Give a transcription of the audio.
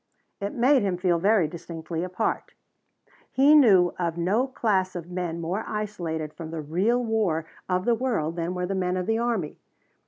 It made him feel very distinctly apart. He knew of no class of men more isolated from the real war of the world than were the men of the army.